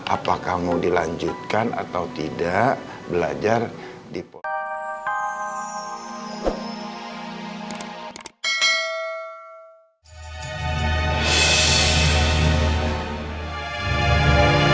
apakah mau dilanjutkan atau tidak belajar di politik